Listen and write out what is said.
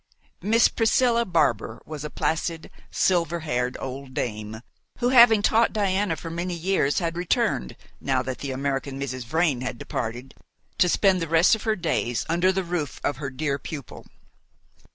Miss Priscilla Barbar was a placid, silver haired old dame, who, having taught Diana for many years, had returned, now that the American Mrs. Vrain had departed, to spend the rest of her days under the roof of her dear pupil.